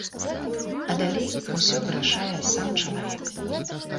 А далей усё вырашае сам чалавек.